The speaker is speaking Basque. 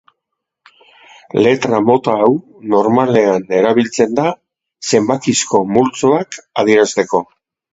Letra mota hau normalean erabiltzen da zenbakizko multzoak adierazteko.